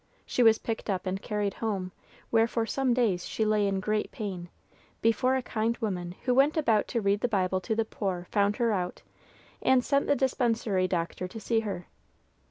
She was picked up and carried home, where for some days she lay in great pain, before a kind woman who went about to read the Bible to the poor, found her out, and sent the dispensary doctor to see her.